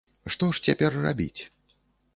Што ж цяпер рабіць?